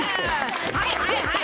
はいはいはい。